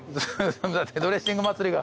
だってドレッシング祭りが。